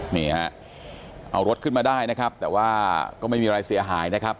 เอารถขึ้นมาได้นะครับแต่ไม่มีอะไรเสียหายนะครับ